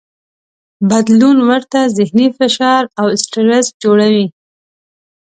بدلون ورته ذهني فشار او سټرس جوړوي.